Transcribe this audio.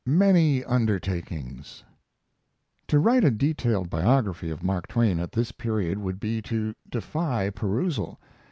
MANY UNDERTAKINGS To write a detailed biography of Mark Twain at this period would be to defy perusal.